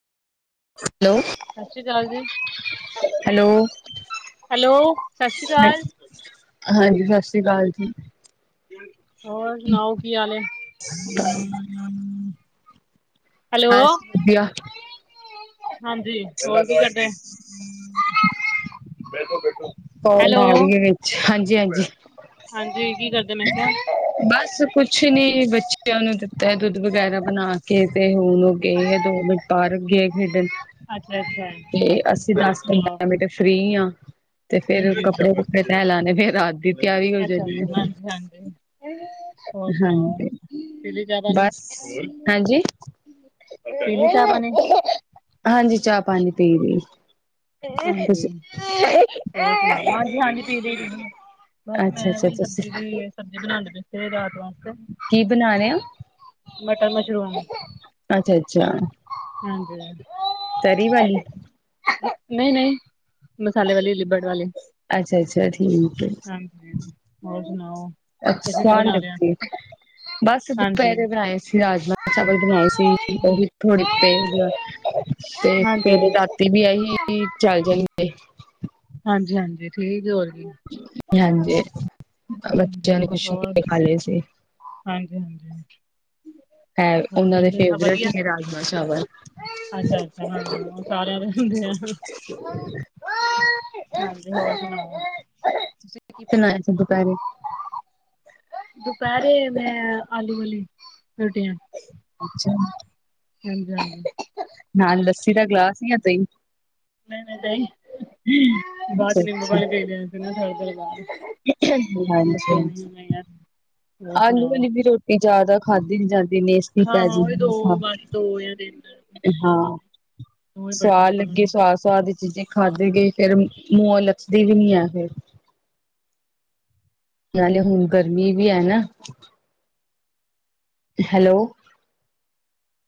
Hello, ਸਤਿ ਸ਼੍ਰੀ ਅਕਾਲ ਜੀ। ਹੈਲੋ ਹੈਲੋ, ਸਤਿ ਸ਼੍ਰੀ ਅਕਾਲ। ਹਾਂਜੀ, ਸਤਿ ਸ੍ਰੀ ਅਕਾਲ ਜੀ। ਹੋਰ ਸੁਣਾਓ ਕੀ ਹਾਲ ਹੈ? [unintelligible] ਬਸ ਹੈਲੋ, ਵਧੀਆ ਹਾਂਜੀ ਹੋਰ ਕੀ ਕਰਦੇ। ਬੈਠੋ- ਬੈਠੋ। ਫੋਨ ਆ ਰਹੀ ਹੈ ਵਿੱਚ ਹਾਂਜੀ -ਹਾਂਜੀ। ਹਾਂਜੀ, ਕੀ ਕਰਦੇ ਨੇ ਇ। ਬਸ ਕੁਛ ਨੀ ਬੱਚਿਆਂ ਨੂੰ ਦਿੱਤਾ ਹੈ ਦੁੱਧ ਵਗੈਰਾ ਬਣਾ ਤੇ ਹੁਣ ਉਹ ਗਏ ਦੋਵੇਂ ਬਾਹਰ ਗਏ ਖੇਡਣ। ਅੱਛਾ-ਅੱਛਾ, ਤੇ ਅਸੀਂ ਹੋਰ ਦਸ- ਸੁਣਾਓ? ਪੰਦਰਾਂ ਮਿੰਟ ਫਰੀ ਹਾਂ। ਤੇ ਫੇਰ ਹਾਂਜੀ। ਕੱਪੜੇ ਕੁਪੜੇ ਤੈ ਲਾਣੇ, ਫੇਰ ਰਾਤ ਦੀ ਤਿਆਰੀ ਹੋ ਜਾਣੀ। ਹਾਂਜੀ। ਹੋਰ ਸੁਣਾਓ, ਹਾਂਜੀ ਪੀਲੀ ਚਾ ਪਾਣੀ? ਬਸ ਹਾਂਜੀ ਪੀਲੀ ਚਾਹ ਪਾਣੀ। ਹਾਂਜੀ, ਚਾਹ ਪਾਣੀ ਪੀ ਲੀ। ਤੁਸੀਂ ਹੋਰ ਸੁਣਾਓ? ਹਾਂਜੀ -ਹਾਂਜੀ, ਪੀ ਲੀ ਬਸ ਅੱਛਾ ਮੈਂ ਅੱਛਾ ਵੀ ਤੁਸੀਂ ਸਬਜੀ ਦੀਏ। ਸਬਜੀ ਬਣਾਂਦੇ ਪੇਸੀ ਰਾਤ ਵਾਸਤੇ। ਕੀ ਬਣਾ ਲਿਆ। ਮਟਰ- ਮਸ਼ਰੂਮ। ਅੱਛਾ-ਅੱਛਾ -ਅੱਛਾ। ਹਾਂਜੀ। ਤਰੀ ਵਾਲੀ। ਨਹੀਂ -ਨਹੀਂ ਮਸਾਲੇ ਵਾਲੇ, ਲਿਬੜ ਵਾਲੇ। ਅੱਛਾ- ਅੱਛਾ ਠੀਕ ਹੈ। ਹੋਰ ਸੁਣਾਓ ਅੱਛਾ, ਤੁਸੀਂ ਕੀ ਸਵਾਦ ਬਣਾ ਲਿਆ ਲੱਗਦੀ ਹੈ। ਬਸ ਹਾਂਜੀ ਦੁਪਹਿਰੇ ਬਣਾਏ ਸੀ ਰਾਜਮਾਂ- ਚਾਵਲ ਬਣਾਏ ਸੀ। ਥੋੜੇ ਜੈ ਪਏ ਦੇ। ਤੇ ਹਾਂਜੀ ਫੇਰ ਰਾਤੀ ਵੀ ਇਹੀ ਚੱਲ ਜਾਣਗੇ। ਹਾਂਜੀ -ਹਾਂਜੀ ਠੀਕ ਏ ਹੋਰ ਕੀ। ਹਾਂਜੀ, ਹਾਂਜੀ ਬੱਚਿਆਂ ਨੇ ਖੁਸ਼ ਹੋ ਹੋਰ ਕੇ ਖਾ ਲਿਆ ਸੀ। ਹਾਂਜੀ -ਹਾਂਜੀ। ਹੈ। ਹੋਰ ਉਹਨਾਂ ਠੀਕ ਦੇ ਨੇ ਸਭ ਫੇਵਰੇਟ ਹੀ ਵਧੀਆ ਨੇ ਰਾਜਮਾ- ਚਾਵਲ। ਅੱਛਾ -ਅੱਛਾ ਹਾਂ, ਉਹ ਸਾਰਿਆਂ ਦੇ ਹੁੰਦੇ ਆ। ਹਾਂਜੀ, ਹੋਰ ਸੁਣਾਓ? ਤੁਸੀਂ ਕੀ ਬਣਾਇਆ ਸੀ ਦੁਪਹਿਰੇ? ਦੁਪਹਿਰੇ ਮੈ ਆਲੂ ਵਾਲੀ, ਰੋਟੀਆਂ। ਅੱਛਾ ਜੀ। ਹਾਂਜੀ -ਹਾਂਜੀ। ਨਾਲ ਲੱਸੀ ਦਾ ਗਲਾਸ ਯਾ ਦਹੀਂ। ਨਹੀ -ਨਹੀਂ ਦਹੀਂ ਬਾਦ ਚ' ਨਿੰਬੂ ਅੱਛਾ-ਅੱਛਾ ਪਾਣੀ ਦੀ ਦਾ ਥੋੜੀ ਦੇਰ ਬਾਦ। ਹਾਂਜੀ- ਹਾਂਜੀ। ਯਾਰ। ਹੋਰ ਆਲੂ ਸੁਣਾਓ ਵੀ ਰੋਟੀ ਜ਼ਿਆਦਾ ਖਾਂਦੀ ਨੀ ਜਾਂਦੀ ਨੇ। ਠੀਕ ਹਾਂ ਹੈ ਹਾਂ ਜੀ ਉਹੀ ਦੋ ਹਾਂ। ਬਸ ਦੋ ਜਾਂ ਤਿੰਨ ਜ਼ਿਆਦਾ ਨੀ ਦੋ ਹੀ ਬੜੀ ਸਆਦ ਮੁਸ਼ਕਲ ਨਾਲ ਲੱਗੀ ਹੁੰਦੀਆਂ ਸਵਾਦ ਸਵਾਦ ਚ ਖਾਦੇ ਗਏ ਫੇਰ ਮੂੰਹੋ ਲੱਥਦੀ ਵੀ ਨੀ ਐ ਫੇਰ। ਨਾਲੇ ਹੁਣ ਗਰਮੀ ਵੀ ਐ ਨਾ। ਹੈਲੋ,